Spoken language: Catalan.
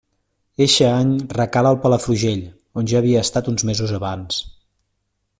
Eixe any recala al Palafrugell, on ja havia estat uns mesos abans.